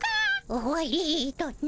終わりとな。